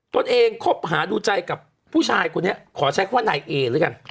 ตัวเองคบหาดูใจกับผู้ชายคนนี้ขอใช้คำว่านายเอแล้วกัน